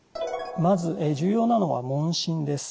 まず重要なのは問診です。